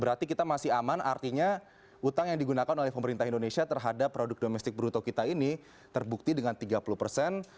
berarti kita masih aman artinya utang yang digunakan oleh pemerintah indonesia terhadap produk domestik bruto kita ini terbukti dengan tiga puluh persen